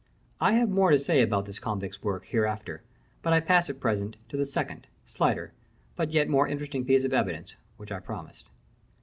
I have more to say about this convict's work hereafter; but I pass at present, to the second, slighter, but yet more interesting piece of evidence, which I promised.